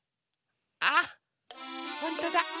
あっほんとだほら。